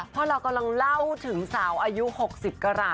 เพราะเรากำลังเล่าถึงสาวอายุ๖๐กราห